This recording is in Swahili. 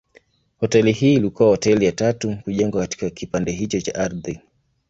Hoteli hii ilikuwa hoteli ya tatu kujengwa katika kipande hicho cha ardhi.